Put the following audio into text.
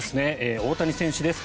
大谷選手です。